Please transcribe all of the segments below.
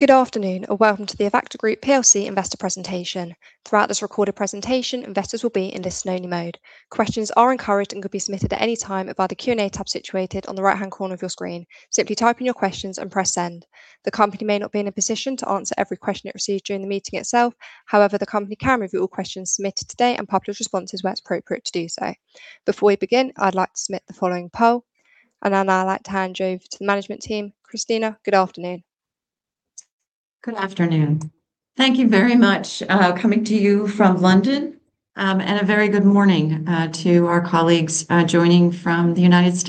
Good afternoon and welcome to the Avacta Group PLC Investor Presentation. Throughout this recorded presentation, investors will be in listen only mode. Questions are encouraged and could be submitted at any time via the Q&A tab situated on the right-hand corner of your screen. Simply type in your questions and press Send. The company may not be in a position to answer every question it receives during the meeting itself. However, the company can review all questions submitted today and publish responses where it's appropriate to do so. Before we begin, I'd like to submit the following poll, and then I'd like to hand you over to the management team. Christina, good afternoon. Good afternoon. Thank you very much. Coming to you from London. A very good morning, to our colleagues, joining from the U.S.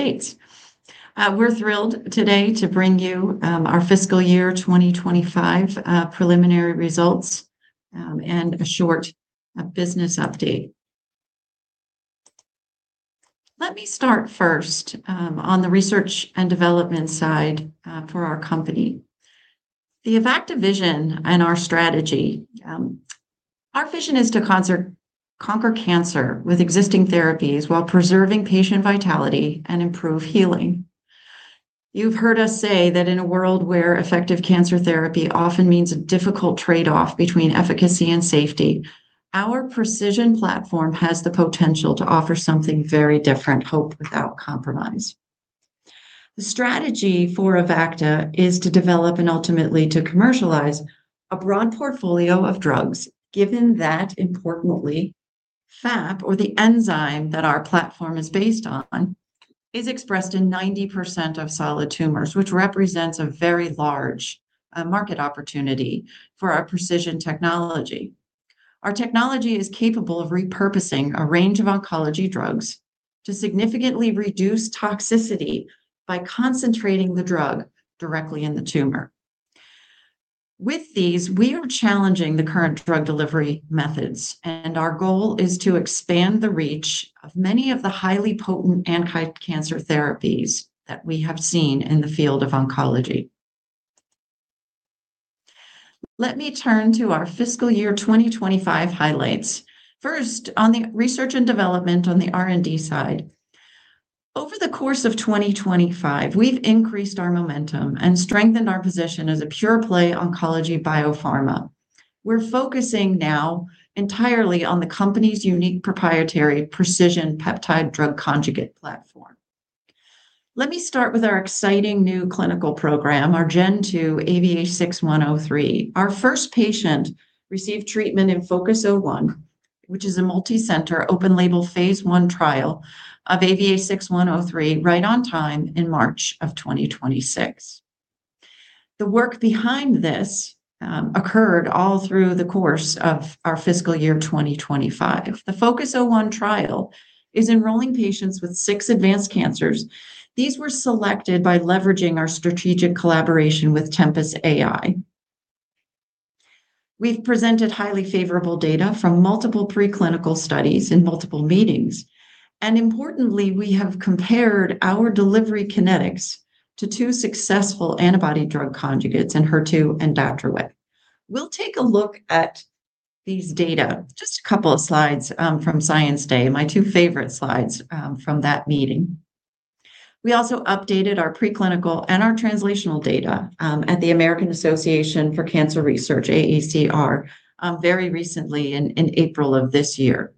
We're thrilled today to bring you, our fiscal year 2025, preliminary results, and a short business update. Let me start first on the research and development side, for our company. The Avacta vision and our strategy. Our vision is to conquer cancer with existing therapies while preserving patient vitality and improve healing. You've heard us say that in a world where effective cancer therapy often means a difficult trade-off between efficacy and safety, our pre|CISION platform has the potential to offer something very different. Hope without compromise. The strategy for Avacta is to develop and ultimately to commercialize a broad portfolio of drugs, given that importantly, FAP or the enzyme that our platform is based on, is expressed in 90% of solid tumors, which represents a very large market opportunity for our pre|CISION technology. Our technology is capable of repurposing a range of oncology drugs to significantly reduce toxicity by concentrating the drug directly in the tumor. With these, we are challenging the current drug delivery methods. Our goal is to expand the reach of many of the highly potent anti-cancer therapies that we have seen in the field of oncology. Let me turn to our fiscal year 2025 highlights. First, on the research and development on the R&D side. Over the course of 2025, we've increased our momentum and strengthened our position as a pure-play oncology biopharma. We're focusing now entirely on the company's unique proprietary pre|CISION peptide drug conjugate platform. Let me start with our exciting new clinical program, our Gen Two AVA6103. Our first patient received treatment in FOCUS-01, which is a multicenter open label phase I trial of AVA6103 right on time in March of 2026. The work behind this occurred all through the course of our fiscal year 2025. The FOCUS-01 trial is enrolling patients with six advanced cancers. These were selected by leveraging our strategic collaboration with Tempus AI. We've presented highly favorable data from multiple preclinical studies in multiple meetings, and importantly, we have compared our delivery kinetics to two successful antibody drug conjugates Enhertu and Datroway. We'll take a look at these data. Just a couple of slides from Science Day. My two favorite slides from that meeting. We also updated our preclinical and our translational data at the American Association for Cancer Research, AACR, very recently in April of this year.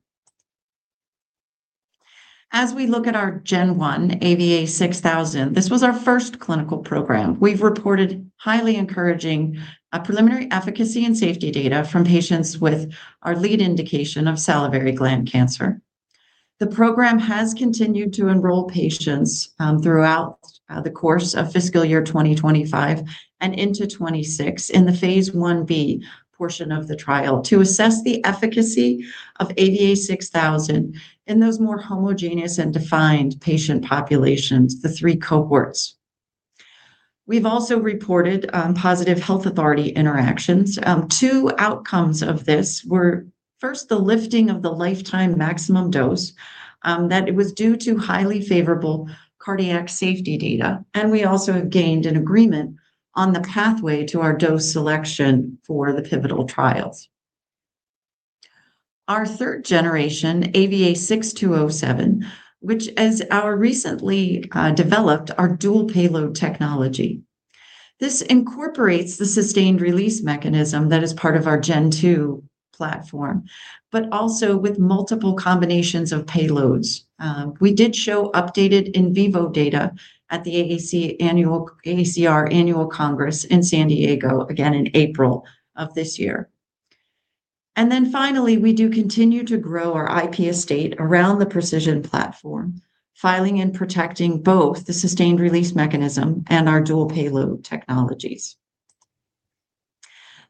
As we look at our Gen One AVA6000, this was our first clinical program. We've reported highly encouraging preliminary efficacy and safety data from patients with our lead indication of salivary gland cancer. The program has continued to enroll patients throughout the course of fiscal year 2025 and into 2026 in the phase I-B portion of the trial to assess the efficacy of AVA6000 in those more homogeneous and defined patient populations, the three cohorts. We've also reported positive health authority interactions. Two outcomes of this were, first, the lifting of the lifetime maximum dose, that it was due to highly favorable cardiac safety data, and we also have gained an agreement on the pathway to our dose selection for the pivotal trials. Our 3rd generation, AVA6207, which is our recently developed our dual payload technology. This incorporates the sustained release mechanism that is part of our Gen Two platform, but also with multiple combinations of payloads. We did show updated in vivo data at the AACR Annual Meeting in San Diego, again in April of this year. Finally, we do continue to grow our IP estate around the pre|CISION platform, filing and protecting both the sustained release mechanism and our dual payload technologies.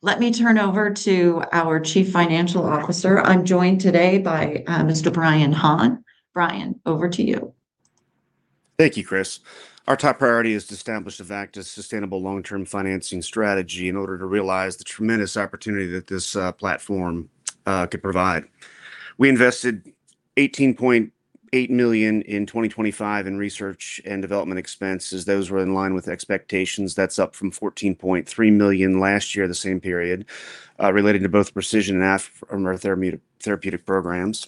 Let me turn over to our Chief Financial Officer. I'm joined today by Mr. Brian Hahn. Brian, over to you. Thank you, Chris. Our top priority is to establish Avacta's sustainable long-term financing strategy in order to realize the tremendous opportunity that this platform could provide. We invested 18.8 million in 2025 in research and development expenses. Those were in line with expectations. That's up from 14.3 million last year, the same period, relating to both pre|CISION and our therapeutic programs.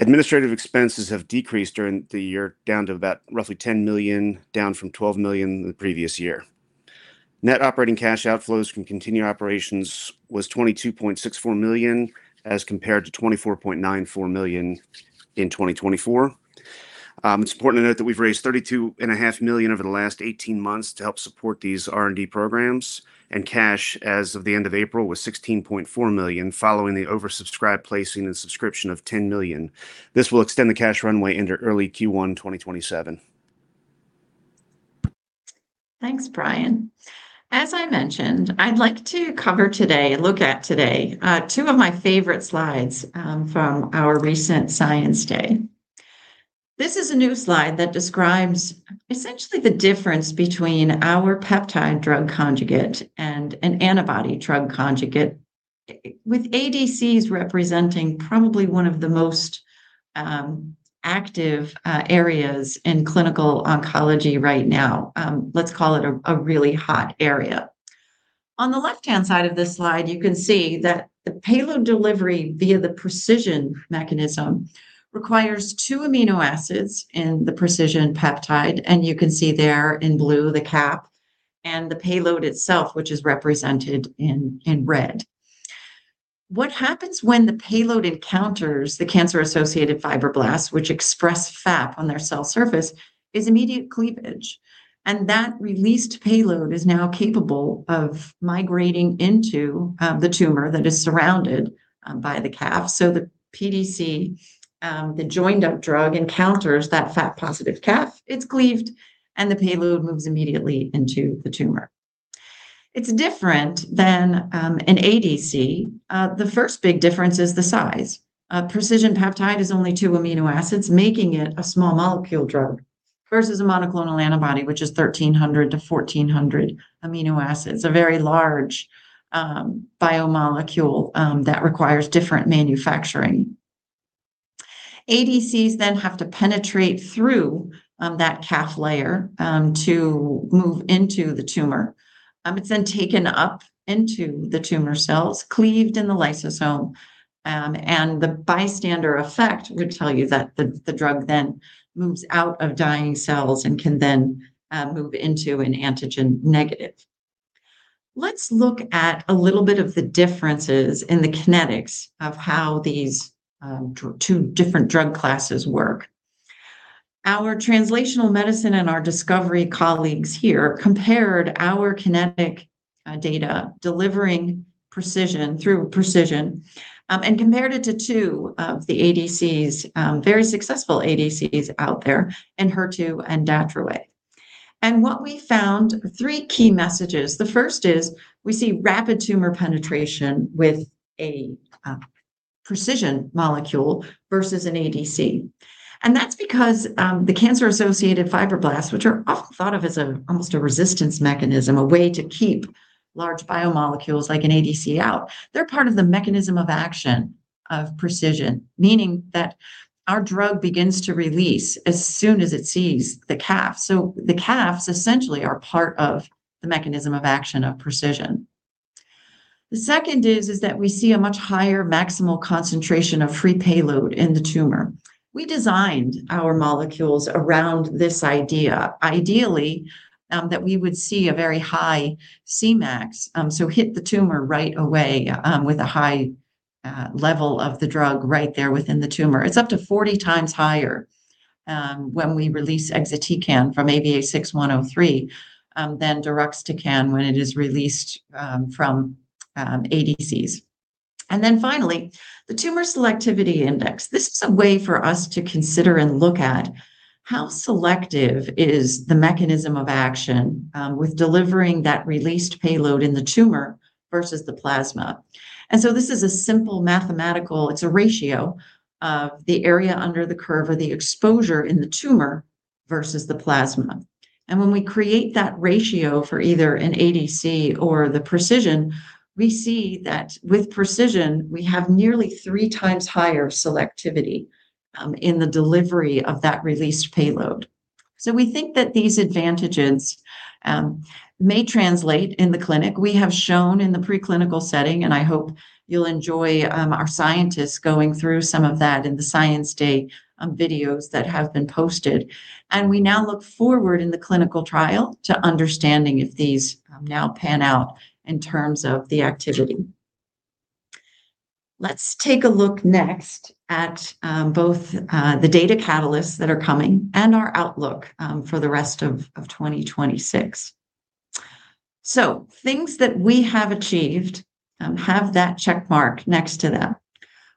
Administrative expenses have decreased during the year down to about roughly 10 million, down from 12 million the previous year. Net operating cash outflows from continued operations was 22.64 million as compared to 24.94 million in 2024. It's important to note that we've raised 32.5 million over the last 18 months to help support these R&D programs, and cash as of the end of April was 16.4 million following the oversubscribed placing and subscription of 10 million. This will extend the cash runway into early Q1 2027. Thanks, Brian. As I mentioned, I'd like to cover today and look at today, two of my favorite slides from our recent Science Day. This is a new slide that describes essentially the difference between our peptide drug conjugate and an antibody drug conjugate, with ADCs representing probably one of the most active areas in clinical oncology right now. Let's call it a really hot area. On the left-hand side of this slide, you can see that the payload delivery via the pre|CISION mechanism requires two amino acids in the pre|CISION peptide, and you can see there in blue the cap and the payload itself, which is represented in red. What happens when the payload encounters the cancer-associated fibroblasts, which express FAP on their cell surface, is immediate cleavage, and that released payload is now capable of migrating into the tumor that is surrounded by the CAF. The PDC, the joined-up drug encounters that FAP-positive CAF. It's cleaved, and the payload moves immediately into the tumor. It's different than an ADC. The first big difference is the size. A pre|CISION peptide is only two amino acids, making it a small molecule drug versus a monoclonal antibody, which is 1,300 to 1,400 amino acids, a very large biomolecule that requires different manufacturing. ADCs then have to penetrate through that CAF layer to move into the tumor. It's then taken up into the tumor cells, cleaved in the lysosome, and the bystander effect would tell you that the drug then moves out of dying cells and can then move into an antigen negative. Let's look at a little bit of the differences in the kinetics of how these two different drug classes work. Our translational medicine and our discovery colleagues here compared our kinetic data delivering pre|CISION through pre|CISION, and compared it to two of the ADCs, very successful ADCs out there in HER2 and Datroway. What we found, three key messages. The first is we see rapid tumor penetration with a pre|CISION molecule versus an ADC, that's because the cancer-associated fibroblasts, which are often thought of as almost a resistance mechanism, a way to keep large biomolecules like an ADC out, they're part of the mechanism of action of pre|CISION, meaning that our drug begins to release as soon as it sees the CAF. The CAFs essentially are part of the mechanism of action of pre|CISION. The second is that we see a much higher maximal concentration of free payload in the tumor. We designed our molecules around this idea, ideally, that we would see a very high Cmax, hit the tumor right away, with a high level of the drug right there within the tumor. It's up to 40 times higher when we release exatecan from AVA6103 than deruxtecan when it is released from ADCs. Finally, the tumor selectivity index. This is a way for us to consider and look at how selective is the mechanism of action with delivering that released payload in the tumor versus the plasma. This is a simple mathematical, it's a ratio of the area under the curve or the exposure in the tumor versus the plasma. When we create that ratio for either an ADC or the pre|CISION, we see that with pre|CISION, we have nearly three times higher selectivity in the delivery of that released payload. We think that these advantages may translate in the clinic. We have shown in the preclinical setting, and I hope you'll enjoy, our scientists going through some of that in the Science Day, videos that have been posted. We now look forward in the clinical trial to understanding if these, now pan out in terms of the activity. Let's take a look next at, both, the data catalysts that are coming and our outlook, for the rest of 2026. Things that we have achieved, have that check mark next to them.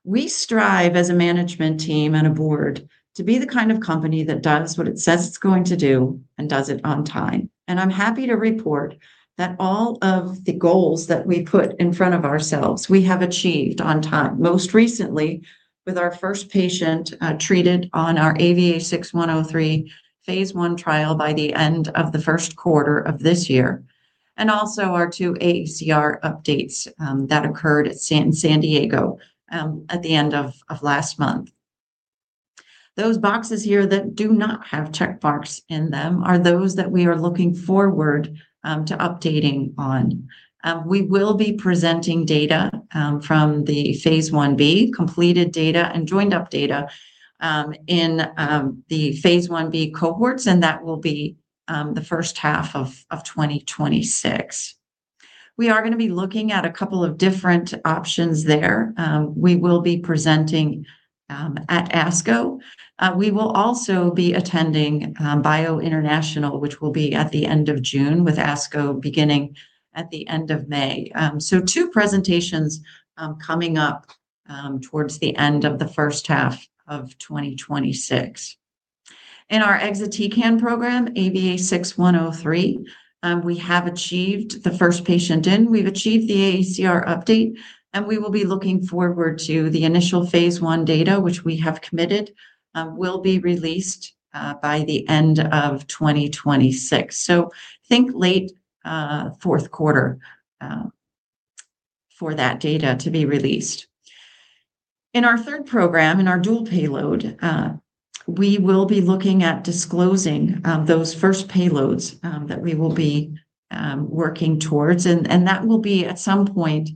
We strive as a management team and a board to be the kind of company that does what it says it's going to do and does it on time. I'm happy to report that all of the goals that we put in front of ourselves we have achieved on time, most recently with our first patient, treated on our AVA6103 phase I trial by the end of the first quarter of this year, and also our two AACR updates that occurred at San Diego at the end of last month. Those boxes here that do not have check marks in them are those that we are looking forward to updating on. We will be presenting data from the phase I-B, completed data and joined up data. in the phase I-B cohorts, and that will be the first half of 2026. We are gonna be looking at a couple of different options there. We will be presenting at ASCO. We will also be attending BIO International, which will be at the end of June, with ASCO beginning at the end of May. Two presentations coming up towards the end of the first half of 2026. In our exatecan program, AVA6103, we have achieved the first patient in. We've achieved the AACR update, and we will be looking forward to the initial phase I data, which we have committed will be released by the end of 2026. Think late fourth quarter for that data to be released. In our third program, in our dual payload, we will be looking at disclosing those first payloads that we will be working towards and that will be at some point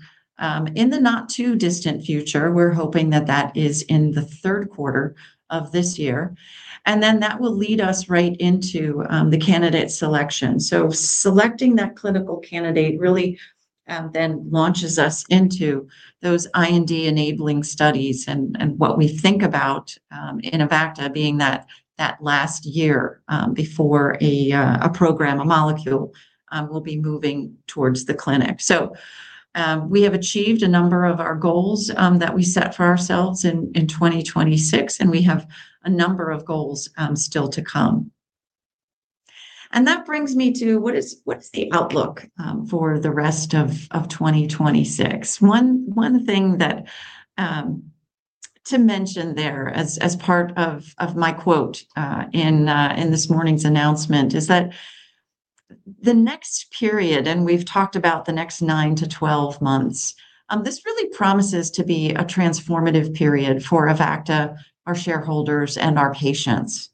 in the not-too-distant future. We're hoping that that is in the third quarter of this year. That will lead us right into the candidate selection. Selecting that clinical candidate really then launches us into those IND-enabling studies and what we think about in Avacta being that last year before a program, a molecule, will be moving towards the clinic. We have achieved a number of our goals that we set for ourselves in 2026, and we have a number of goals still to come. That brings me to what is the outlook for the rest of 2026? One thing that to mention there as part of my quote in this morning's announcement is that the next period, and we've talked about the next 9-12 months, this really promises to be a transformative period for Avacta, our shareholders, and our patients.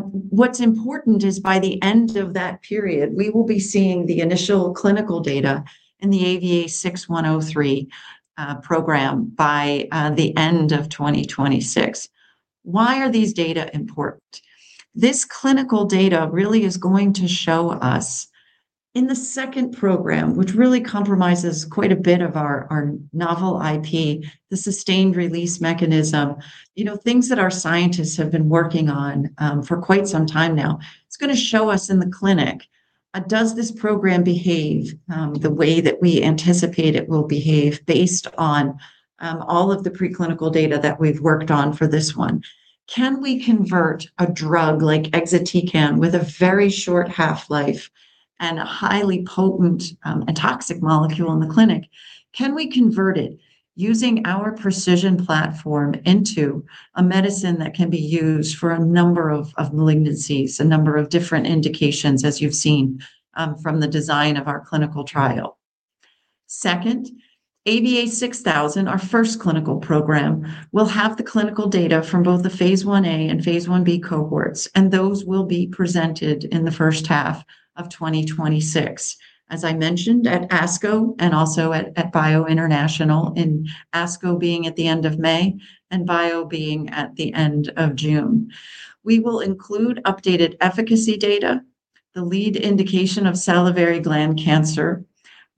What's important is by the end of that period, we will be seeing the initial clinical data in the AVA6103 program by the end of 2026. Why are these data important? This clinical data really is going to show us in the second program, which really comprises quite a bit of our novel IP, the sustained release mechanism, you know, things that our scientists have been working on for quite some time now. It's gonna show us in the clinic, does this program behave the way that we anticipate it will behave based on all of the preclinical data that we've worked on for this one? Can we convert a drug like exatecan with a very short half-life and a highly potent and toxic molecule in the clinic? Can we convert it using our pre|CISION platform into a medicine that can be used for a number of malignancies, a number of different indications, as you've seen from the design of our clinical trial? Second, AVA6000, our first clinical program, will have the clinical data from both the phase I-A and phase I-B cohorts, and those will be presented in the first half of 2026, as I mentioned, at ASCO and also at BIO International, and ASCO being at the end of May and BIO being at the end of June. We will include updated efficacy data, the lead indication of salivary gland cancer.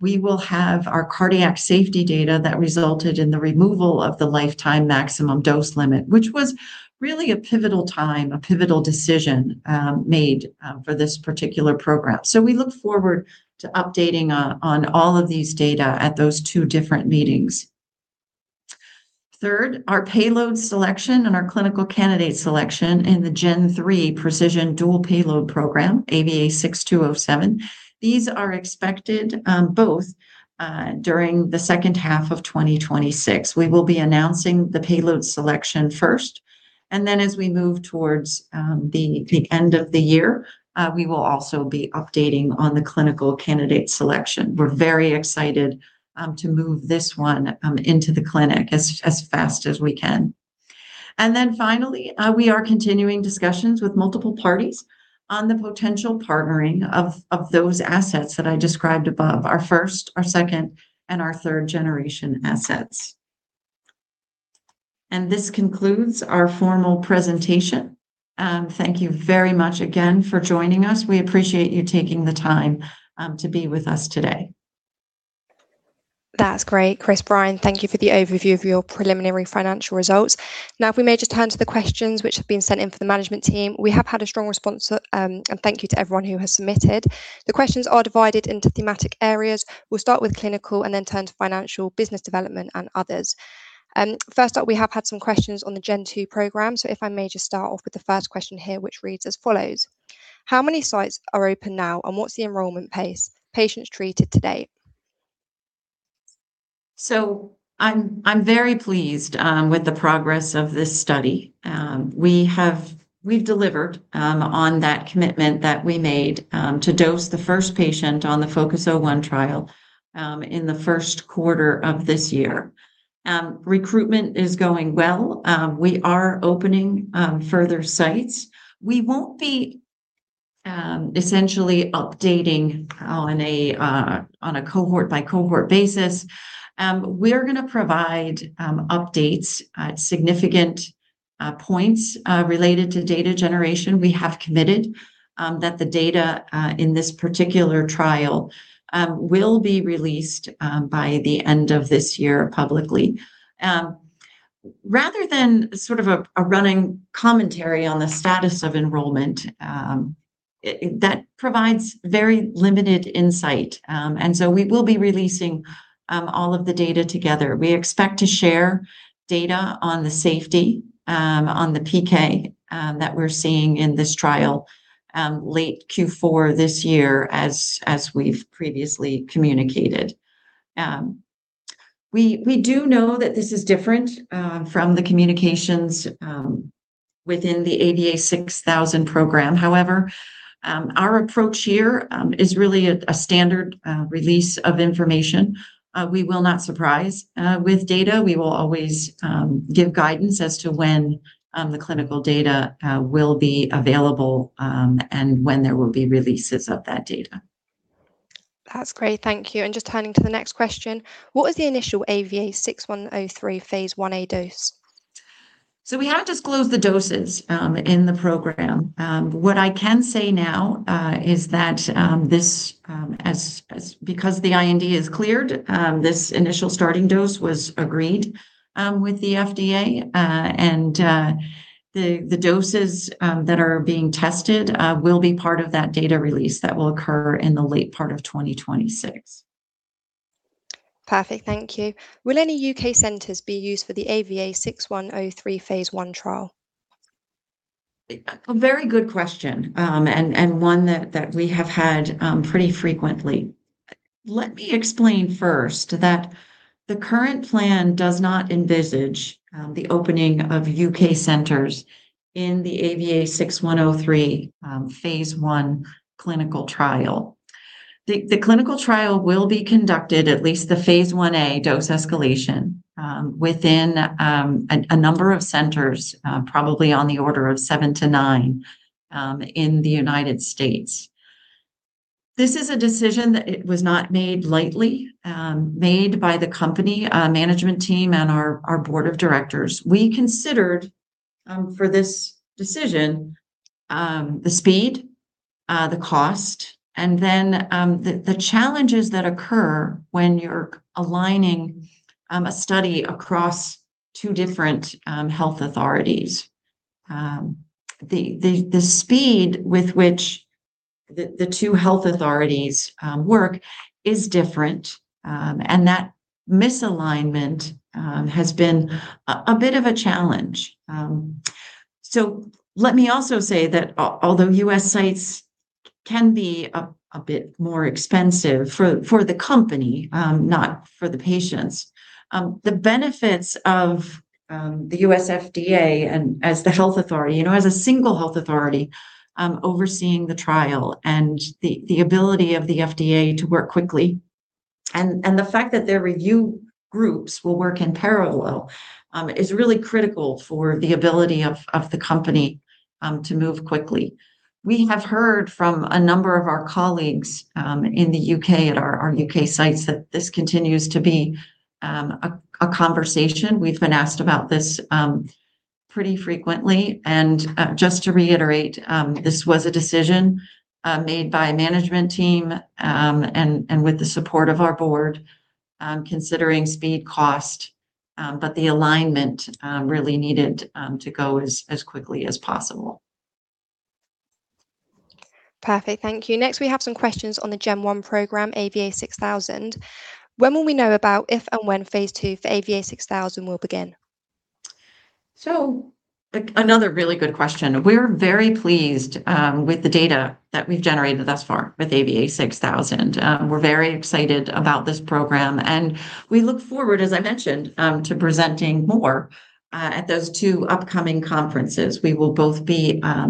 We will have our cardiac safety data that resulted in the removal of the lifetime maximum dose limit, which was really a pivotal time, a pivotal decision made for this particular program. We look forward to updating on all of these data at those two different meetings. Third, our payload selection and our clinical candidate selection in the Gen 3 pre|CISION dual payload program, AVA6207, these are expected both during the second half of 2026. We will be announcing the payload selection first. Then as we move towards the end of the year, we will also be updating on the clinical candidate selection. We're very excited to move this one into the clinic as fast as we can. Finally, we are continuing discussions with multiple parties on the potential partnering of those assets that I described above, our 1st, our 2nd, and our 3rd-generation assets. This concludes our formal presentation. Thank you very much again for joining us. We appreciate you taking the time to be with us today. That's great. Chris, Brian, thank you for the overview of your preliminary financial results. Now, if we may just turn to the questions which have been sent in for the management team. We have had a strong response, and thank you to everyone who has submitted. The questions are divided into thematic areas. We'll start with clinical and then turn to financial, business development, and others. First up, we have had some questions on the Gen 2 program. If I may just start off with the first question here, which reads as follows: how many sites are open now, and what's the enrollment pace, patients treated to date? I'm very pleased with the progress of this study. We've delivered on that commitment that we made to dose the first patient on the FOCUS-01 trial in the first quarter of this year. Recruitment is going well. We are opening further sites. We won't be essentially updating on a cohort-by-cohort basis. We're gonna provide updates at significant points related to data generation. We have committed that the data in this particular trial will be released by the end of this year publicly. Rather than sort of a running commentary on the status of enrollment, that provides very limited insight. We will be releasing all of the data together. We expect to share data on the safety, on the PK that we're seeing in this trial late Q4 this year as we've previously communicated. We do know that this is different from the communications within the AVA6000 program. However, our approach here is really a standard release of information. We will not surprise with data. We will always give guidance as to when the clinical data will be available and when there will be releases of that data. That's great, thank you. Just turning to the next question. What was the initial AVA6103 phase I-A dose? We have disclosed the doses in the program. What I can say now is that this as because the IND is cleared, this initial starting dose was agreed with the FDA. The doses that are being tested will be part of that data release that will occur in the late part of 2026. Perfect, thank you. Will any U.K. centers be used for the AVA6103 phase I trial? A very good question, and one that we have had pretty frequently. Let me explain first that the current plan does not envisage the opening of U.K. centers in the AVA6103 phase I clinical trial. The clinical trial will be conducted, at least the phase I-A dose escalation, within a number of centers, probably on the order of 7-9, in the U.S. This is a decision that it was not made lightly, made by the company management team and our board of directors. We considered for this decision, the speed, the cost, and then the challenges that occur when you're aligning a study across two different health authorities. The speed with which the two health authorities work is different. That misalignment has been a bit of a challenge. Let me also say that although U.S. sites can be a bit more expensive for the company, not for the patients, the benefits of the U.S. FDA and as the health authority, you know, as a single health authority, overseeing the trial and the ability of the FDA to work quickly and the fact that their review groups will work in parallel, is really critical for the ability of the company to move quickly. We have heard from a number of our colleagues in the U.K. at our U.K. sites that this continues to be a conversation. We've been asked about this pretty frequently. Just to reiterate, this was a decision made by management team and with the support of our board, considering speed, cost, but the alignment really needed to go as quickly as possible. Perfect, thank you. Next, we have some questions on the Gen-1 program, AVA6000. When will we know about if and when phase II for AVA6000 will begin? Another really good question. We're very pleased with the data that we've generated thus far with AVA6000. We're very excited about this program, and we look forward, as I mentioned, to presenting more at those two upcoming conferences. We will both be at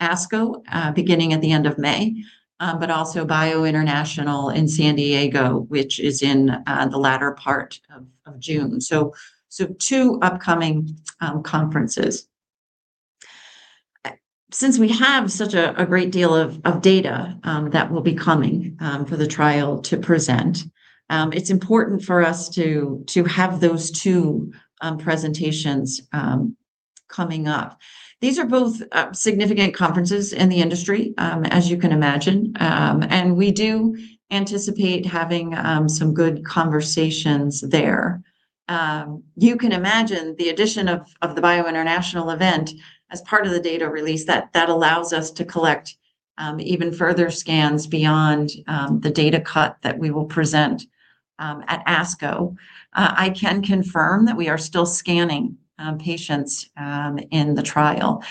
ASCO beginning at the end of May, but also BIO International in San Diego, which is in the latter part of June. two upcoming conferences. Since we have such a great deal of data that will be coming for the trial to present, it's important for us to have those two presentations coming up. These are both significant conferences in the industry, as you can imagine. We do anticipate having some good conversations there. You can imagine the addition of the BIO International event as part of the data release that allows us to collect even further scans beyond the data cut that we will present at ASCO. I can confirm that we are still scanning patients in the trial.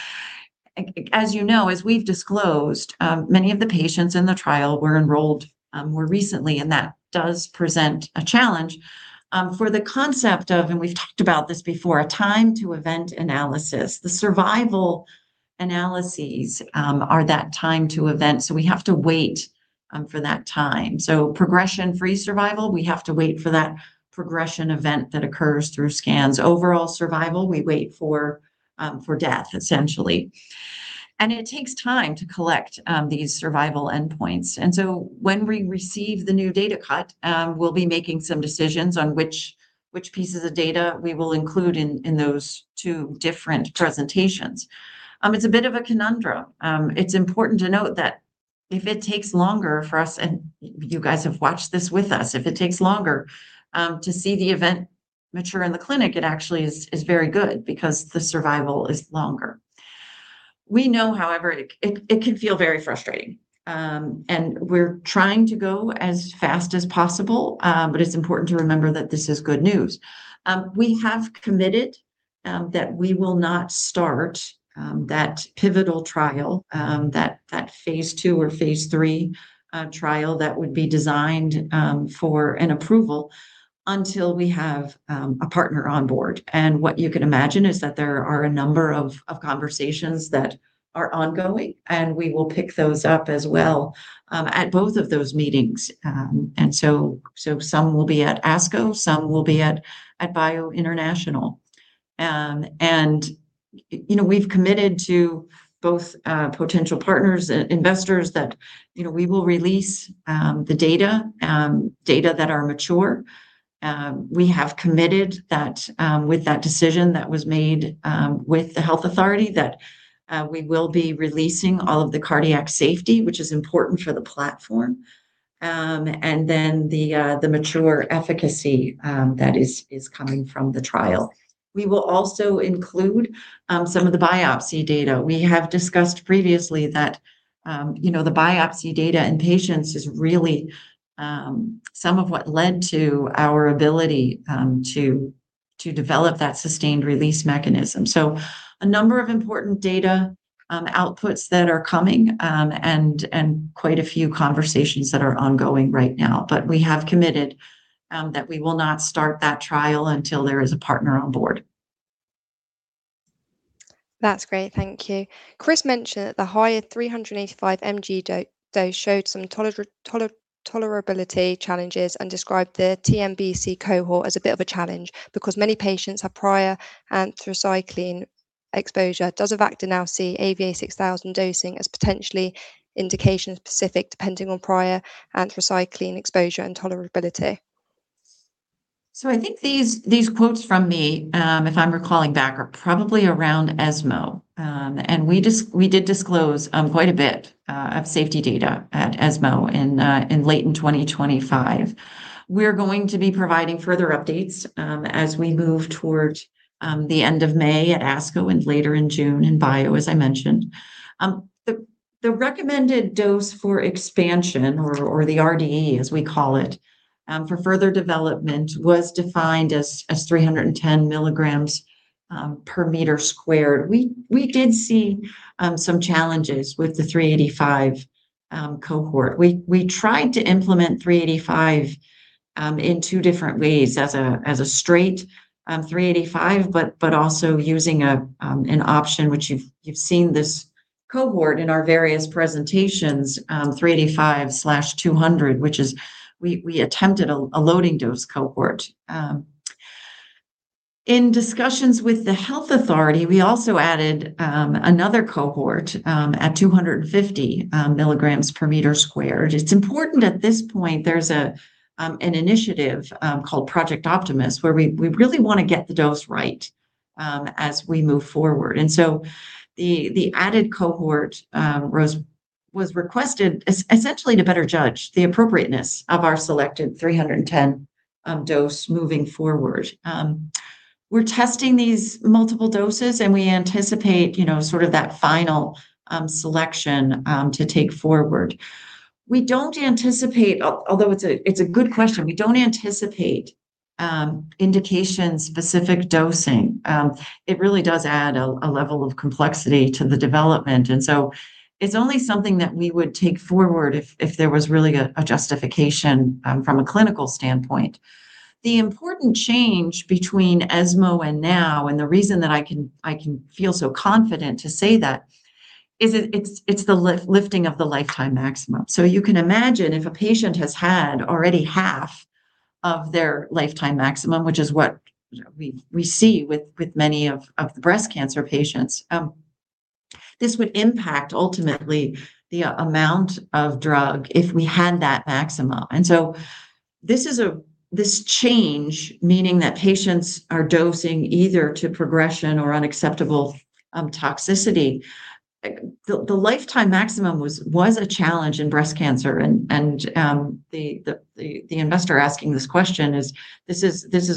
As you know, as we've disclosed, many of the patients in the trial were enrolled more recently, and that does present a challenge for the concept of, and we've talked about this before, a time to event analysis. The survival analyses are that time to event. We have to wait for that time. Progression-free survival, we have to wait for that progression event that occurs through scans. Overall survival, we wait for death, essentially. It takes time to collect these survival endpoints. When we receive the new data cut, we'll be making some decisions on which pieces of data we will include in those two different presentations. It's a bit of a conundrum. It's important to note that if it takes longer for us, and you guys have watched this with us, if it takes longer, to see the event mature in the clinic, it actually is very good because the survival is longer. We know, however, it can feel very frustrating. We're trying to go as fast as possible, but it's important to remember that this is good news. We have committed that we will not start that pivotal trial that phase II or phase III trial that would be designed for an approval until we have a partner on board. What you can imagine is that there are a number of conversations that are ongoing and we will pick those up as well at both of those meetings. Some will be at ASCO some will be at BIO International. You know we've committed to both potential partners and investors that you know we will release the data that are mature. We have committed that with that decision that was made with the health authority that we will be releasing all of the cardiac safety, which is important for the platform, and then the mature efficacy that is coming from the trial. We will also include some of the biopsy data. We have discussed previously that, you know, the biopsy data in patients is really some of what led to our ability to develop that sustained release mechanism. A number of important data outputs that are coming and quite a few conversations that are ongoing right now. We have committed that we will not start that trial until there is a partner on board. That's great. Thank you. Chris mentioned that the higher 385 mg dose showed some tolerability challenges and described the TNBC cohort as a bit of a challenge because many patients have prior anthracycline exposure. Does Avacta now see AVA6000 dosing as potentially indication-specific depending on prior anthracycline exposure and tolerability? I think these quotes from me, if I'm recalling back, are probably around ESMO. We did disclose quite a bit of safety data at ESMO in late in 2025. We're going to be providing further updates as we move toward the end of May at ASCO and later in June in BIO, as I mentioned. The recommended dose for expansion or the RDE, as we call it, for further development was defined as 310 mg/m2. We did see some challenges with the 385 cohort. We tried to implement 385, in two different ways, as a straight 385, but also using an option which you've seen this cohort in our various presentations, 385 slash 200, which is we attempted a loading dose cohort. In discussions with the health authority, we also added another cohort at 250 mg/m2. It's important at this point there's an initiative called Project Optimus where we really wanna get the dose right as we move forward. The added cohort was requested essentially to better judge the appropriateness of our selected 310 dose moving forward. We're testing these multiple doses, and we anticipate, you know, sort of that final selection to take forward. We don't anticipate, although it's a good question. We don't anticipate indication-specific dosing. It really does add a level of complexity to the development. And so it's only something that we would take forward if there was really a justification from a clinical standpoint. The important change between ESMO and now, and the reason that I can feel so confident to say that, is it's the lifting of the lifetime maximum. You can imagine if a patient has had already half of their lifetime maximum, which is what we see with many of the breast cancer patients, this would impact ultimately the amount of drug if we had that maximum. This is a, this change meaning that patients are dosing either to progression or unacceptable toxicity. The lifetime maximum was a challenge in breast cancer and the investor asking this question is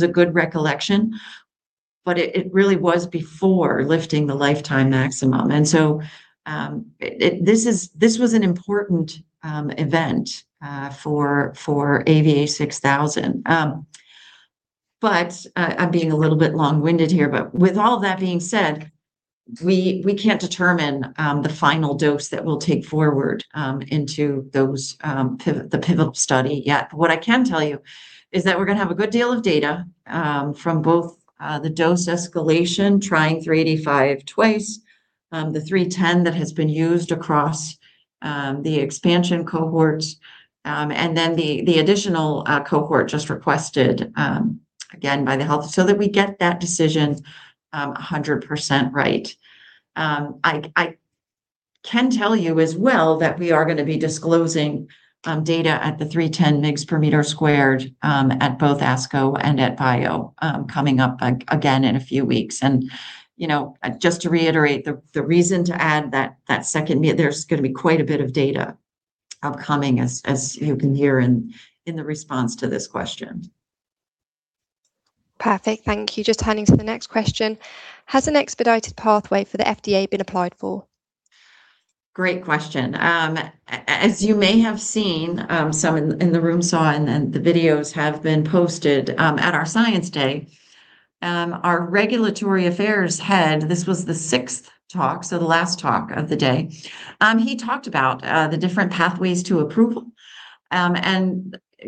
a good recollection, but it really was before lifting the lifetime maximum. This was an important event for AVA6000. I'm being a little bit long-winded here, but with all that being said, we can't determine the final dose that we'll take forward into those the pivotal study yet. What I can tell you is that we're gonna have a good deal of data from both the dose escalation trying 385 twice, the 310 that has been used across the expansion cohorts, and then the additional cohort just requested again by the health, so that we get that decision 100% right. I can tell you as well that we are gonna be disclosing data at the 310 migs per meter squared at both ASCO and at BIO again in a few weeks. You know, just to reiterate, the reason to add that second there's gonna be quite a bit of data upcoming as you can hear in the response to this question. Perfect, thank you. Just turning to the next question. Has an expedited pathway for the FDA been applied for? Great question. As you may have seen, some in the room saw, and then the videos have been posted, at our Science Day, our regulatory affairs head, this was the 6th talk, so the last talk of the day, he talked about the different pathways to approval.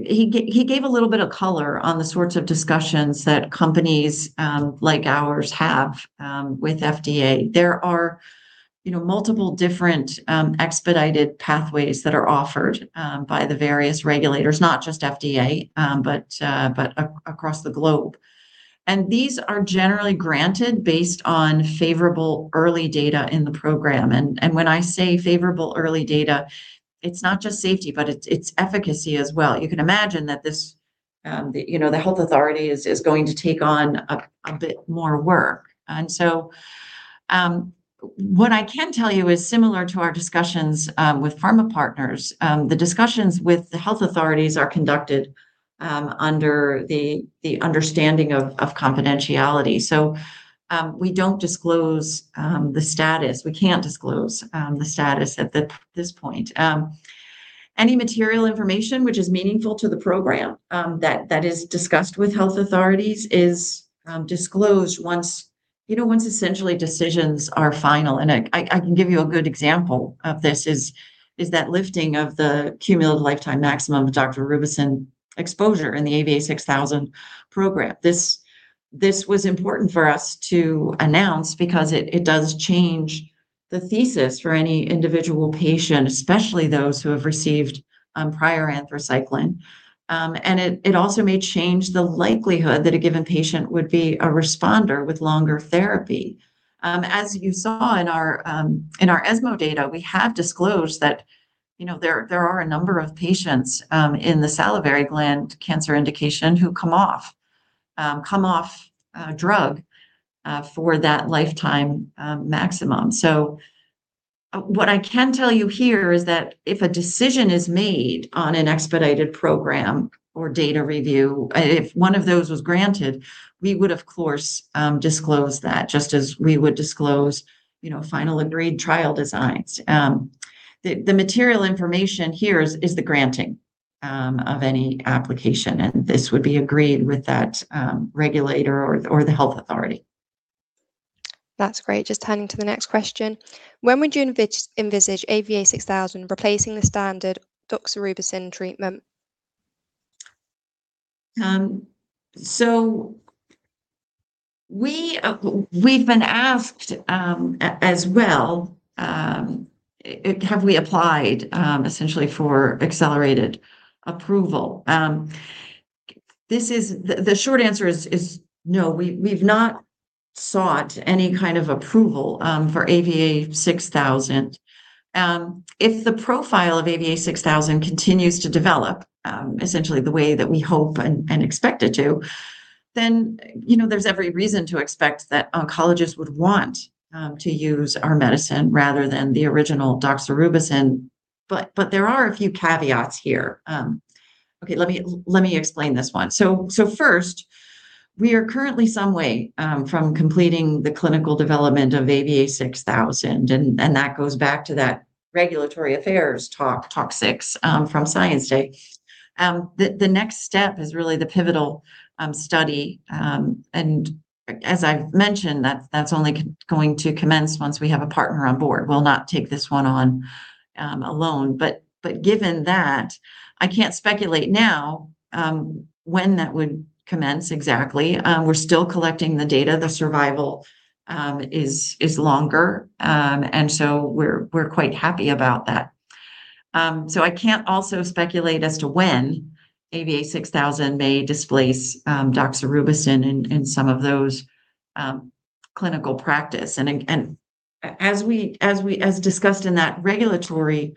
He gave a little bit of color on the sorts of discussions that companies, like ours have, with FDA. There are, you know, multiple different, expedited pathways that are offered, by the various regulators, not just FDA, but across the globe. These are generally granted based on favorable early data in the program. When I say favorable early data, it's not just safety, but it's efficacy as well. You can imagine that this, you know, the health authority is going to take on a bit more work. What I can tell you is similar to our discussions with pharma partners, the discussions with the health authorities are conducted under the understanding of confidentiality. We don't disclose the status. We can't disclose the status at this point. Any material information which is meaningful to the program that is discussed with health authorities is disclosed once, you know, once essentially decisions are final. I can give you a good example of this is that lifting of the cumulative lifetime maximum of doxorubicin exposure in the AVA6000 program. This was important for us to announce because it does change the thesis for any individual patient, especially those who have received prior anthracycline. It also may change the likelihood that a given patient would be a responder with longer therapy. As you saw in our ESMO data, we have disclosed that, you know, there are a number of patients in the salivary gland cancer indication who come off a drug for that lifetime maximum. What I can tell you here is that if a decision is made on an expedited program or data review, if one of those was granted, we would of course disclose that just as we would disclose, you know, final agreed trial designs. The material information here is the granting of any application, and this would be agreed with that regulator or the health authority. That's great. Just turning to the next question. When would you envisage AVA6000 replacing the standard doxorubicin treatment? We've been asked as well if we've applied essentially for accelerated approval? The short answer is no. We've not sought any kind of approval for AVA6000. If the profile of AVA6000 continues to develop essentially the way that we hope and expect it to, then, you know, there's every reason to expect that oncologists would want to use our medicine rather than the original doxorubicin. There are a few caveats here. Okay, let me explain this one. First, we are currently some way from completing the clinical development of AVA6000, and that goes back to that regulatory affairs talk six from Science Day. The next step is really the pivotal study. As I've mentioned, that's only going to commence once we have a partner on board. We'll not take this one on alone. Given that, I can't speculate now when that would commence exactly. We're still collecting the data. The survival is longer. We're quite happy about that. I can't also speculate as to when AVA6000 may displace doxorubicin in some of those clinical practice. As we discussed in that regulatory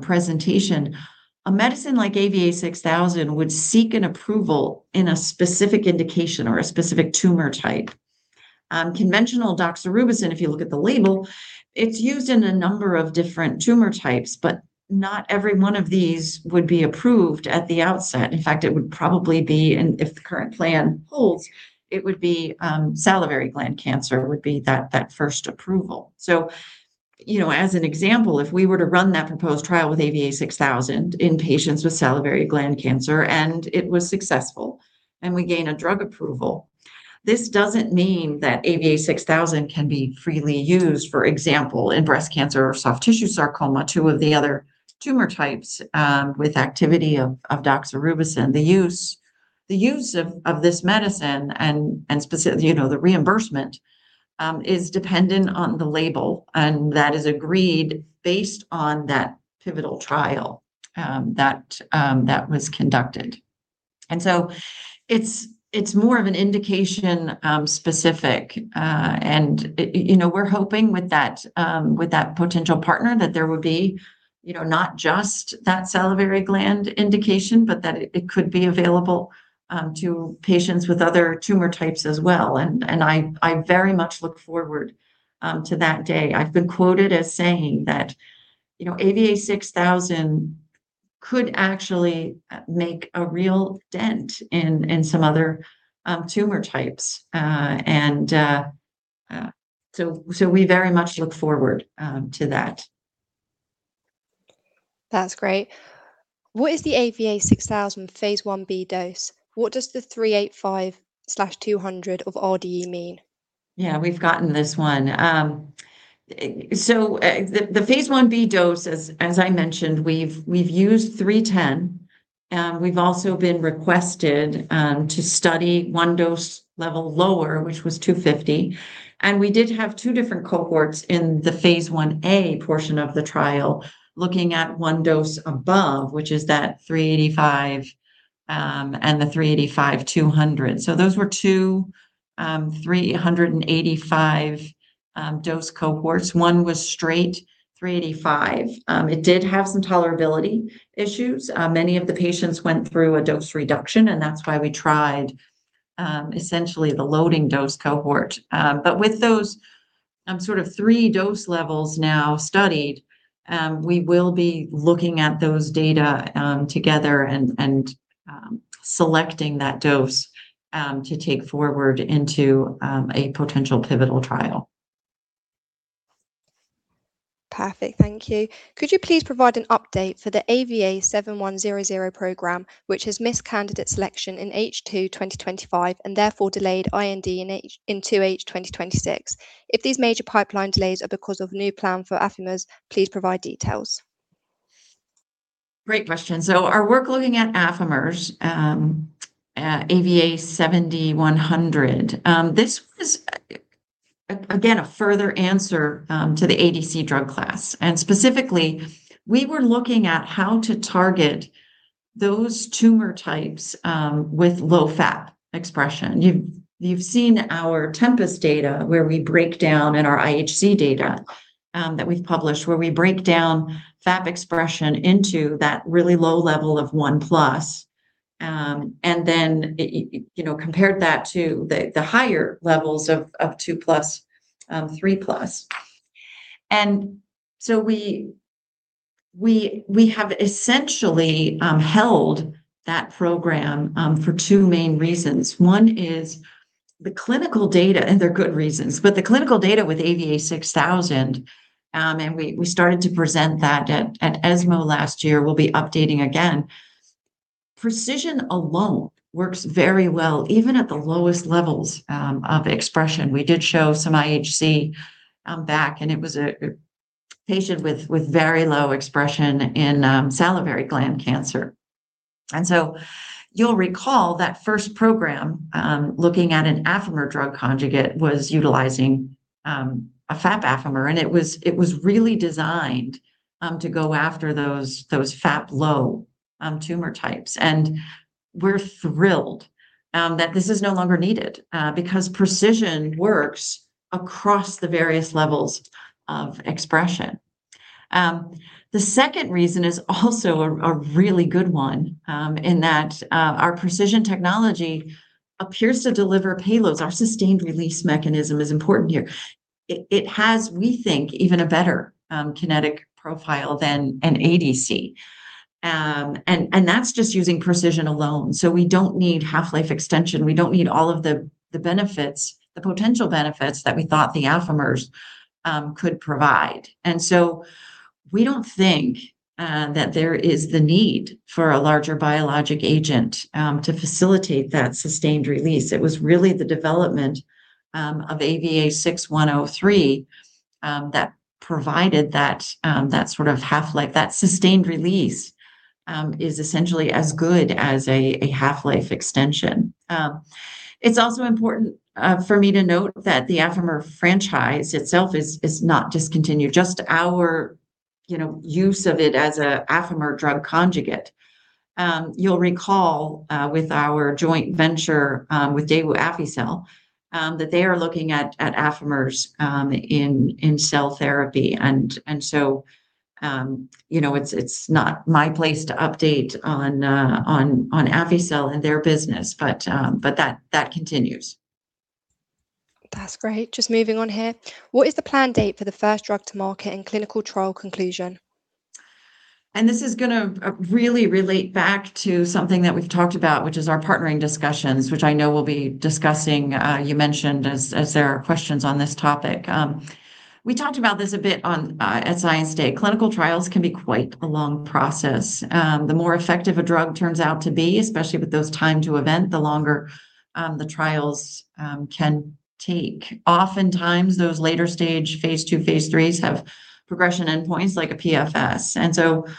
presentation, a medicine like AVA6000 would seek an approval in a specific indication or a specific tumor type. Conventional doxorubicin, if you look at the label, it's used in a number of different tumor types, but not every one of these would be approved at the outset. In fact, it would probably be in if the current plan holds, it would be salivary gland cancer would be that first approval. You know, as an example, if we were to run that proposed trial with AVA6000 in patients with salivary gland cancer and it was successful and we gain a drug approval, this doesn't mean that AVA6000 can be freely used, for example, in breast cancer or soft tissue sarcoma, two of the other tumor types with activity of doxorubicin. The use of this medicine and you know, the reimbursement is dependent on the label, and that is agreed based on that pivotal trial that was conducted. It's more of an indication specific. And it, you know, we're hoping with that, with that potential partner that there would be, you know, not just that salivary gland indication, but that it could be available to patients with other tumor types as well. I very much look forward to that day. I've been quoted as saying that, you know, AVA6000 could actually make a real dent in some other tumor types. We very much look forward to that. That's great. What is the AVA6000 phase I-B dose? What does the 385/200 of RDE mean? Yeah, we've gotten this one. The phase I-B dose, as I mentioned, we've used 310. We've also been requested to study 1 dose level lower, which was 250. We did have two different cohorts in the phase I-A portion of the trial looking at 1 dose above, which is that 385, and the 385/200. Those were 2 385 dose cohorts. one was straight 385. It did have some tolerability issues. Many of the patients went through a dose reduction, and that's why we tried essentially the loading dose cohort. With those, sort of three dose levels now studied, we will be looking at those data together and selecting that dose to take forward into a potential pivotal trial. Perfect. Thank you. Could you please provide an update for the AVA7100 program, which has missed candidate selection in H2 2025 and therefore delayed IND into H 2026? If these major pipeline delays are because of new plan for Affimers, please provide details. Great question. Our work looking at Affimers, AVA7100, this was again a further answer to the ADC drug class. Specifically, we were looking at how to target those tumor types with low FAP expression. You've seen our Tempus data where we break down, and our IHC data that we've published, where we break down FAP expression into that really low level of 1 plus, and then it, you know, compared that to the higher levels of 2+, 3+. We have essentially held that program for two main reasons. One is the clinical data, and they're good reasons. The clinical data with AVA6000, and we started to present that at ESMO last year, we'll be updating again. pre|CISION alone works very well, even at the lowest levels of expression. We did show some IHC back, and it was a patient with very low expression in salivary gland cancer. You'll recall that first program looking at an Affimer drug conjugate was utilizing a FAP Affimer, and it was really designed to go after those FAP low tumor types. We're thrilled that this is no longer needed because pre|CISION works across the various levels of expression. The second reason is also a really good one in that our pre|CISION technology appears to deliver payloads. Our sustained release mechanism is important here. It has, we think, even a better kinetic profile than an ADC. And that's just using pre|CISION alone. We don't need half-life extension. We don't need all of the benefits, the potential benefits that we thought the Affimers could provide. We don't think that there is the need for a larger biologic agent to facilitate that sustained release. It was really the development of AVA6103 that provided that that sort of half-life. That sustained release is essentially as good as a half-life extension. It's also important for me to note that the Affimer franchise itself is not discontinued, just our, you know, use of it as a Affimer drug conjugate. You'll recall with our joint venture with Daewoong AffyXell that they are looking at Affimers in cell therapy. You know, it's not my place to update on AffyXell and their business, but that continues. That's great. Just moving on here. What is the plan date for the first drug to market and clinical trial conclusion? This is going to really relate back to something that we've talked about, which is our partnering discussions, which I know we'll be discussing, you mentioned as there are questions on this topic. We talked about this a bit on at Science Day. Clinical trials can be quite a long process. The more effective a drug turns out to be, especially with those time to event, the longer the trials can take. Oftentimes, those later stage, phase II, phase III's have progression endpoints like a PFS.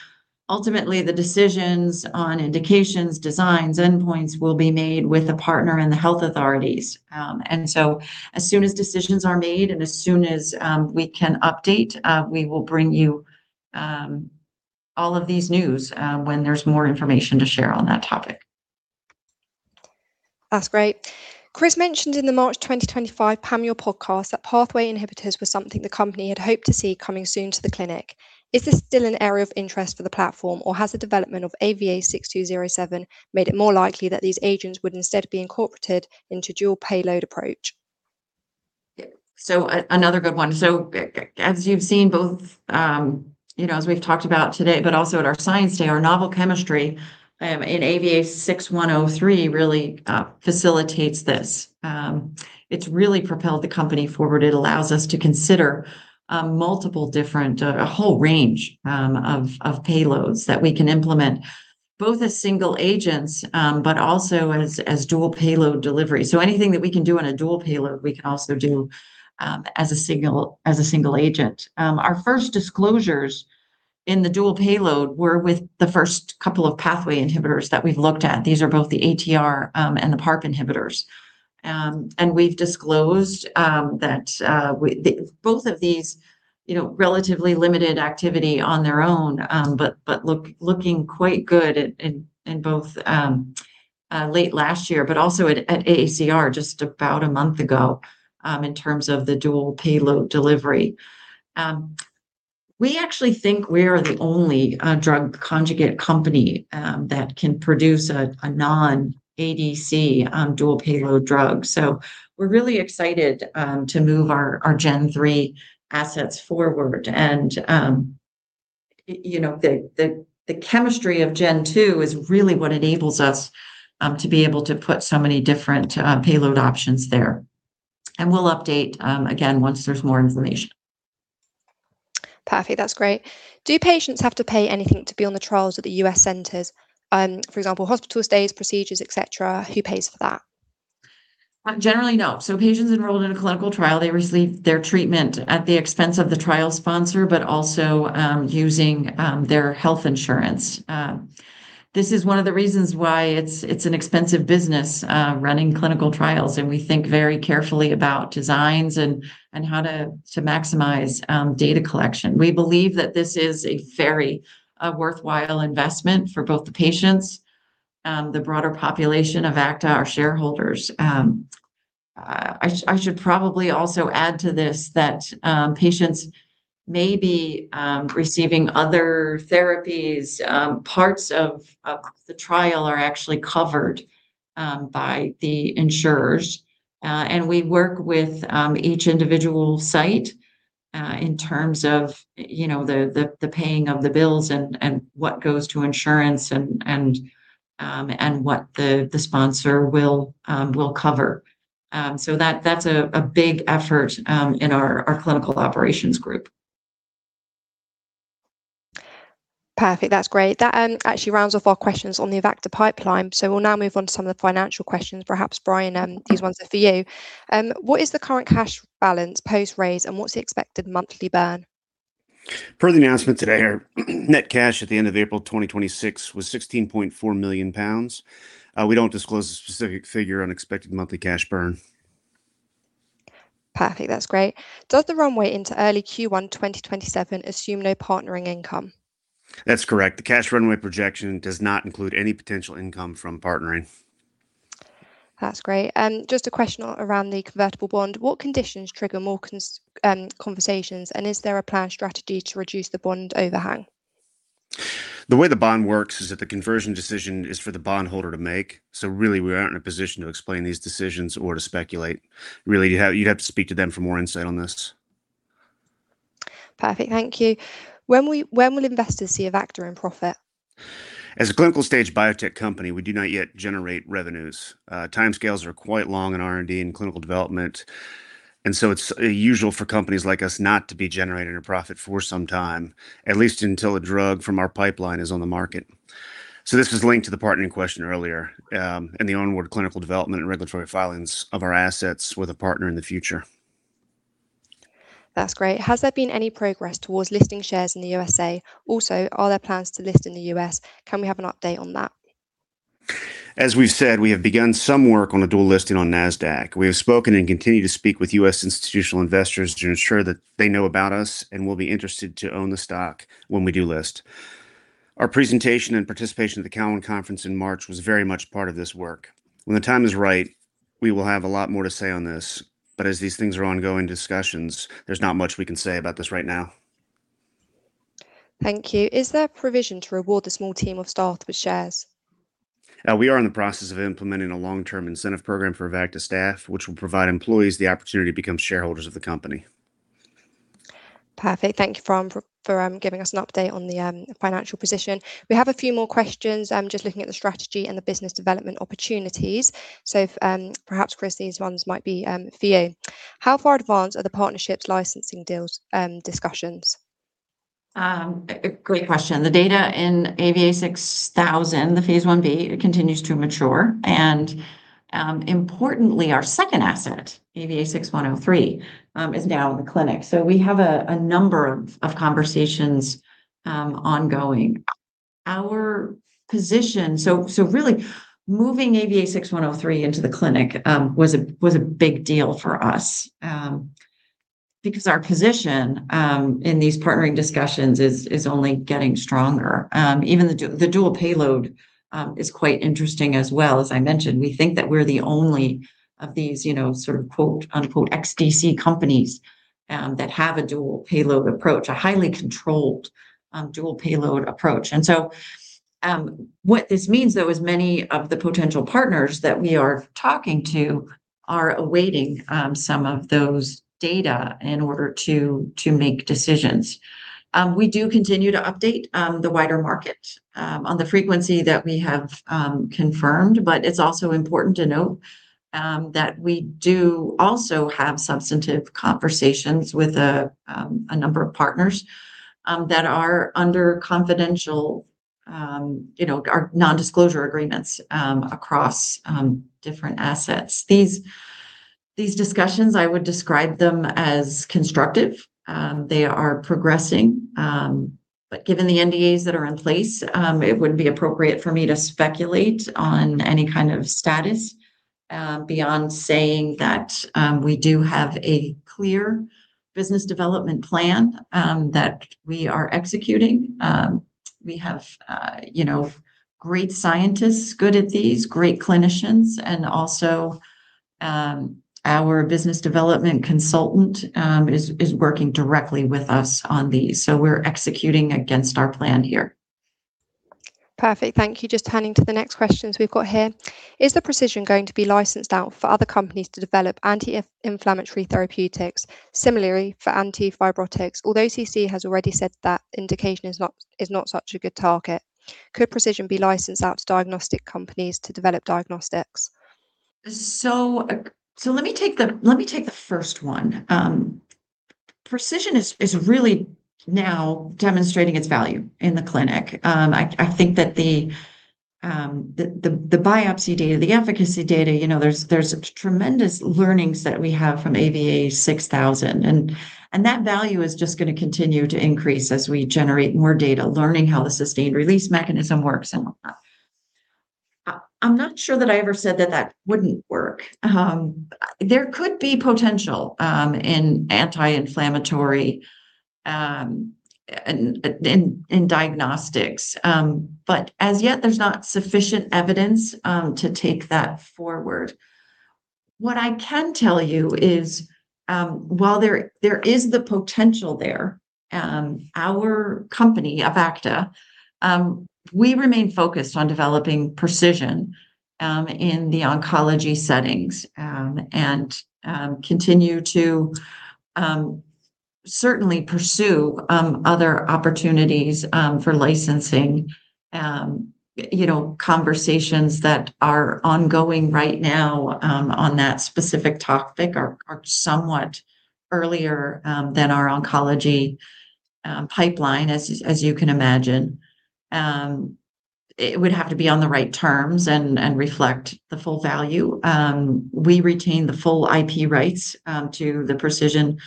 Ultimately, the decisions on indications, designs, endpoints will be made with a partner and the health authorities. As soon as decisions are made and as soon as we can update, we will bring you all of these news when there's more information to share on that topic. That's great. Chris mentioned in the March 2025 Panmure podcast that pathway inhibitors was something the company had hoped to see coming soon to the clinic. Is this still an area of interest for the platform, or has the development of AVA6207 made it more likely that these agents would instead be incorporated into dual payload approach? Yeah, another good one. As you've seen both, you know, as we've talked about today, but also at our Science Day, our novel chemistry in AVA6103 really facilitates this. It's really propelled the company forward. It allows us to consider multiple different, a whole range of payloads that we can implement both as single agents, but also as dual payload delivery. Anything that we can do on a dual payload, we can also do as a single agent. Our first disclosures in the dual payload were with the first couple of pathway inhibitors that we've looked at. These are both the ATR and the PARP inhibitors. We've disclosed that the both of these, you know, relatively limited activity on their own, but looking quite good in both late last year, but also at AACR just about a month ago, in terms of the dual payload delivery. We actually think we are the only drug conjugate company that can produce a non-ADC dual payload drug. We're really excited to move our Gen 3 assets forward. You know, the chemistry of Gen 2 is really what enables us to be able to put so many different payload options there. We'll update again, once there's more information. Perfect. That's great. Do patients have to pay anything to be on the trials at the U.S. centers? For example, hospital stays, procedures, et cetera, who pays for that? Generally, no. Patients enrolled in a clinical trial, they receive their treatment at the expense of the trial sponsor, but also using their health insurance. This is one of the reasons why it's an expensive business running clinical trials, and we think very carefully about designs and how to maximize data collection. We believe that this is a very worthwhile investment for both the patients, the broader population of Avacta, our shareholders. I should probably also add to this that patients may be receiving other therapies. Parts of the trial are actually covered by the insurers. We work with each individual site in terms of, you know, the paying of the bills and what goes to insurance and what the sponsor will cover. That's a big effort in our clinical operations group. Perfect. That's great. That actually rounds off our questions on the Avacta pipeline. We'll now move on to some of the financial questions. Perhaps, Brian. These ones are for you. What is the current cash balance post-raise, and what's the expected monthly burn? Per the announcement today, our net cash at the end of April 2026 was 16.4 million pounds. We don't disclose a specific figure on expected monthly cash burn. Perfect. That's great. Does the runway into early Q1 2027 assume no partnering income? That's correct. The cash runway projection does not include any potential income from partnering. That's great. Just a question around the convertible bond. What conditions trigger more conversations? Is there a planned strategy to reduce the bond overhang? The way the bond works is that the conversion decision is for the bondholder to make. Really, we aren't in a position to explain these decisions or to speculate. Really, you'd have to speak to them for more insight on this. Perfect. Thank you. When will investors see Avacta in profit? As a clinical stage biotech company, we do not yet generate revenues. timescales are quite long in R&D and clinical development, and so it's usual for companies like us not to be generating a profit for some time, at least until a drug from our pipeline is on the market. This is linked to the partnering question earlier, and the onward clinical development and regulatory filings of our assets with a partner in the future. That's great. Has there been any progress towards listing shares in the USA.? Are there plans to list in the U.S.? Can we have an update on that? As we've said, we have begun some work on a dual listing on Nasdaq. We have spoken and continue to speak with U.S. institutional investors to ensure that they know about us and will be interested to own the stock when we do list. Our presentation and participation at the Cowen conference in March was very much part of this work. When the time is right, we will have a lot more to say on this. As these things are ongoing discussions, there's not much we can say about this right now. Thank you. Is there a provision to reward the small team of staff with shares? We are in the process of implementing a long-term incentive program for Avacta staff, which will provide employees the opportunity to become shareholders of the company. Perfect. Thank you, Brian, for giving us an update on the financial position. We have a few more questions, just looking at the strategy and the business development opportunities. If perhaps, Chris, these ones might be for you. How far advanced are the partnerships licensing deals, discussions? A great question. The data in AVA6000, the phase I-B, continues to mature and, importantly, our second asset, AVA6103, is now in the clinic. We have a number of conversations ongoing. Really moving AVA6103 into the clinic was a big deal for us because our position in these partnering discussions is only getting stronger. Even the dual payload is quite interesting as well. As I mentioned, we think that we're the only of these, you know, sort of quote, unquote, "XDC companies", that have a dual payload approach, a highly controlled, dual payload approach. What this means though is many of the potential partners that we are talking to are awaiting some of those data in order to make decisions. We do continue to update the wider market on the frequency that we have confirmed. It's also important to note that we do also have substantive conversations with a number of partners that are under confidential, you know, or non-disclosure agreements across different assets. These discussions, I would describe them as constructive. They are progressing. Given the NDAs that are in place, it wouldn't be appropriate for me to speculate on any kind of status beyond saying that we do have a clear business development plan that we are executing. We have, you know, great scientists good at these, great clinicians, and also our business development consultant is working directly with us on these. We're executing against our plan here. Perfect. Thank you. Just turning to the next questions we've got here. Is the pre|CISION going to be licensed out for other companies to develop anti-inflammatory therapeutics similarly for anti-fibrotics, although CC has already said that indication is not such a good target? Could pre|CISION be licensed out to diagnostic companies to develop diagnostics? Let me take the first one. Precision is really now demonstrating its value in the clinic. I think that the biopsy data, the efficacy data, you know, there's tremendous learnings that we have from AVA6000. That value is just gonna continue to increase as we generate more data, learning how the sustained release mechanism works and whatnot. I'm not sure that I ever said that that wouldn't work. There could be potential in anti-inflammatory, in diagnostics. As yet there's not sufficient evidence to take that forward. What I can tell you is, while there is the potential there, our company, Avacta, we remain focused on developing pre|CISION in the oncology settings, and continue to certainly pursue other opportunities for licensing. You know, conversations that are ongoing right now on that specific topic are somewhat earlier than our oncology pipeline as you can imagine. It would have to be on the right terms and reflect the full value. We retain the full IP rights to the pre|CISION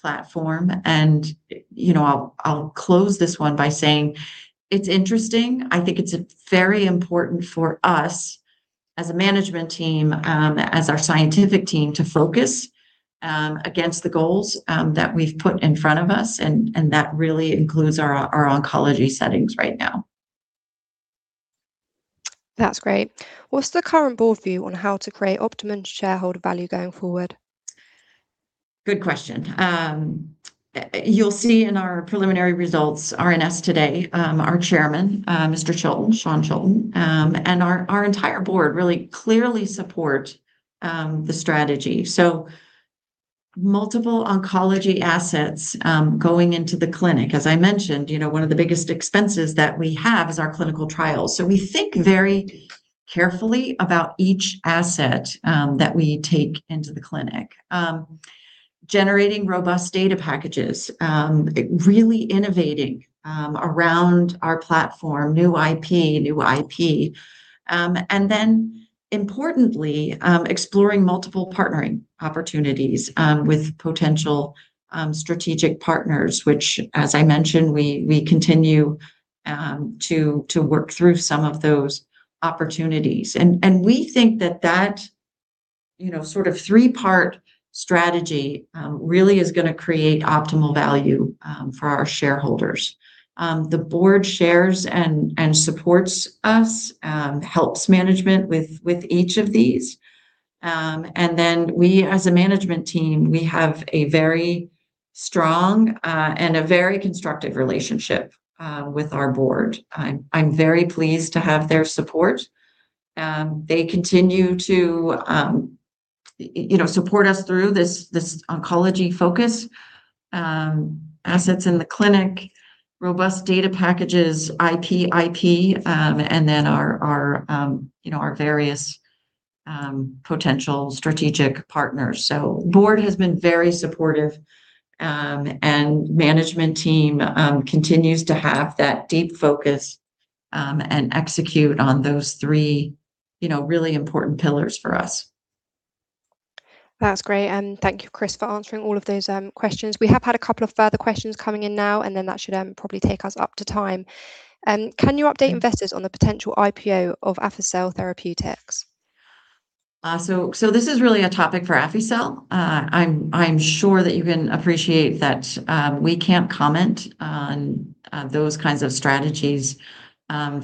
platform, and, you know, I'll close this one by saying it's interesting. I think it's very important for us as a management team, as our scientific team to focus, against the goals, that we've put in front of us, and that really includes our oncology settings right now. That's great. What's the current board view on how to create optimum shareholder value going forward? Good question. You'll see in our preliminary results RNS today, our Chairman, Shaun Chilton, and our entire board really clearly support the strategy. Multiple oncology assets going into the clinic. As I mentioned, you know, one of the biggest expenses that we have is our clinical trials. We think very carefully about each asset that we take into the clinic. Generating robust data packages, really innovating around our platform, new IP. Importantly, exploring multiple partnering opportunities with potential strategic partners, which as I mentioned, we continue to work through some of those opportunities. We think that, you know, sort of three-part strategy really is gonna create optimal value for our shareholders. The board shares and supports us, helps management with each of these. We as a management team, we have a very strong and a very constructive relationship with our board. I'm very pleased to have their support. They continue to, you know, support us through this oncology focus, assets in the clinic, robust data packages, IP, and our, you know, our various potential strategic partners. Board has been very supportive, management team continues to have that deep focus and execute on those three, you know, really important pillars for us. That's great. Thank you, Chris, for answering all of those questions. We have had a couple of further questions coming in now, and then that should probably take us up to time. Can you update investors on the potential IPO of AffyXell Therapeutics? This is really a topic for AffyXell. I'm sure that you can appreciate that, we can't comment on those kinds of strategies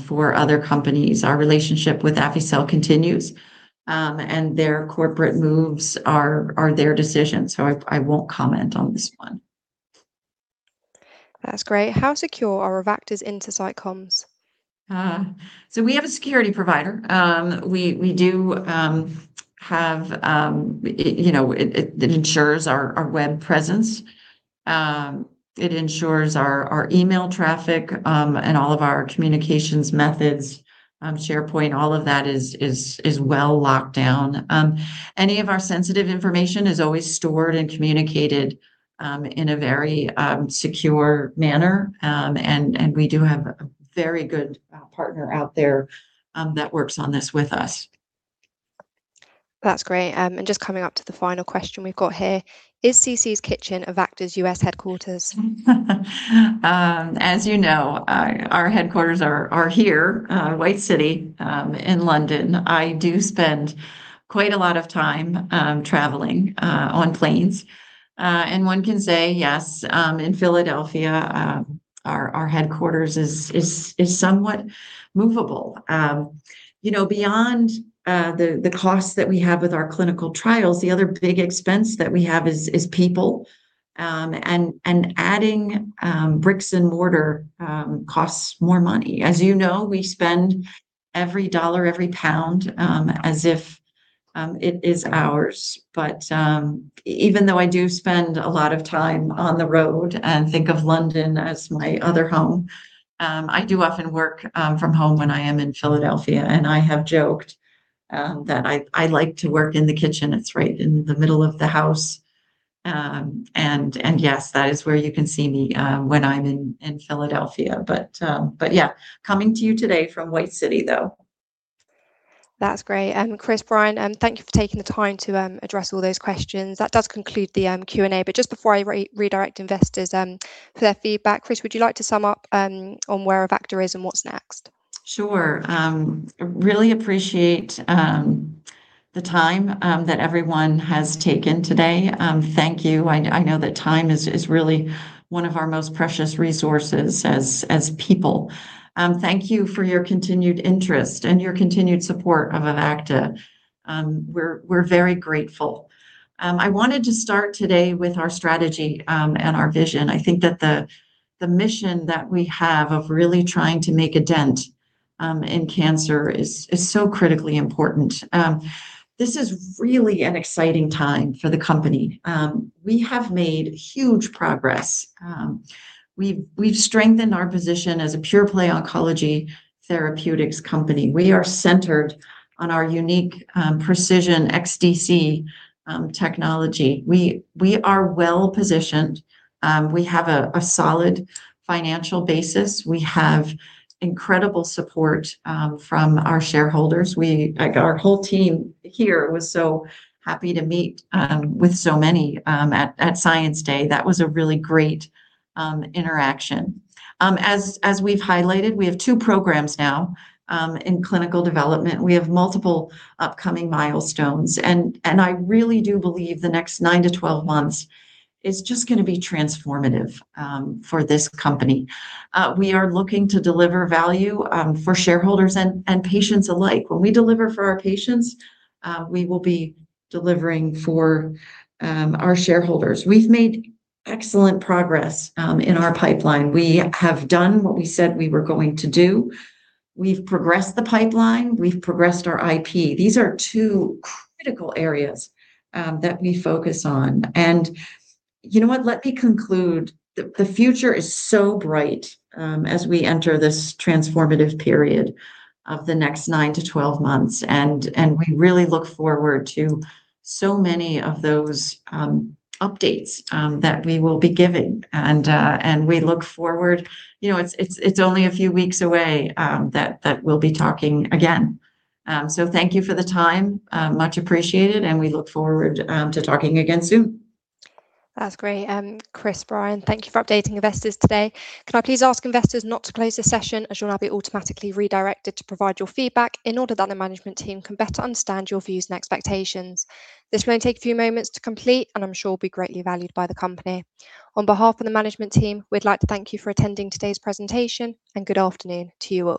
for other companies. Our relationship with AffyXell continues. Their corporate moves are their decision, so I won't comment on this one. That's great. How secure are Avacta's intersite comms? We have a security provider. We do have you know, it ensures our web presence. It ensures our email traffic, and all of our communications methods, SharePoint, all of that is well locked down. Any of our sensitive information is always stored and communicated in a very secure manner. We do have a very good partner out there that works on this with us. That's great. Just coming up to the final question we've got here. Is CC's Kitchen Avacta's U.S. headquarters? As you know, our headquarters are here, White City, in London. I do spend quite a lot of time traveling on planes. One can say, yes, in Philadelphia, our headquarters is somewhat movable. You know, beyond the costs that we have with our clinical trials, the other big expense that we have is people. Adding bricks and mortar costs more money. As you know, we spend every dollar, every pound, as if it is ours. Even though I do spend a lot of time on the road and think of London as my other home, I do often work from home when I am in Philadelphia, and I have joked that I like to work in the kitchen. It's right in the middle of the house. Yes, that is where you can see me, when I'm in Philadelphia. Yeah, coming to you today from White City, though. That's great. Chris, Brian, thank you for taking the time to address all those questions. That does conclude the Q&A. Just before I redirect investors for their feedback, Chris, would you like to sum up on where Avacta is and what's next? Sure. Really appreciate the time that everyone has taken today. Thank you. I know that time is really one of our most precious resources as people. Thank you for your continued interest and your continued support of Avacta. We're very grateful. I wanted to start today with our strategy and our vision. I think that the mission that we have of really trying to make a dent in cancer is so critically important. This is really an exciting time for the company. We have made huge progress. We've strengthened our position as a pure play oncology therapeutics company. We are centered on our unique pre|CISION XDC technology. We are well-positioned. We have a solid financial basis. We have incredible support from our shareholders. We, our whole team here was so happy to meet with so many at Science Day. That was a really great interaction. As we've highlighted, we have two programs now in clinical development. We have multiple upcoming milestones, I really do believe the next 9-12 months is just gonna be transformative for this company. We are looking to deliver value for shareholders and patients alike. When we deliver for our patients, we will be delivering for our shareholders. We've made excellent progress in our pipeline. We have done what we said we were going to do. We've progressed the pipeline. We've progressed our IP. These are two critical areas that we focus on. You know what? Let me conclude the future is so bright, as we enter this transformative period of the next 9-12 months, and we really look forward to so many of those updates that we will be giving. We look forward. You know, it's only a few weeks away that we'll be talking again. Thank you for the time. Much appreciated, and we look forward to talking again soon. That's great. Chris, Brian, thank you for updating investors today. Can I please ask investors not to close this session, as you'll now be automatically redirected to provide your feedback in order that the management team can better understand your views and expectations. This may only take a few moments to complete, and I'm sure will be greatly valued by the company. On behalf of the management team, we'd like to thank you for attending today's presentation, and good afternoon to you all.